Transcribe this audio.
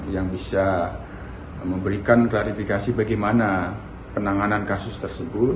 yang bisa memberikan klarifikasi bagaimana penanganan kasus tersebut